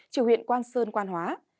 chỉ huyện quang sơn quang hóa